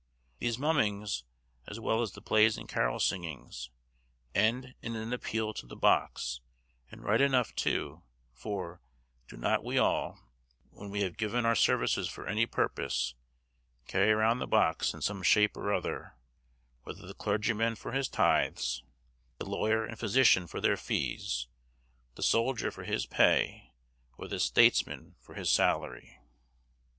These mummings, as well as the plays and carol singings, end in an appeal to the box, and right enough too; for, do not we all, when we have given our services for any purpose, carry round the box, in some shape or other, whether the clergyman for his tithes, the lawyer and physician for their fees, the soldier for his pay, or the statesman for his salary?